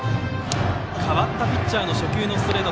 代わったピッチャーの初球のストレート。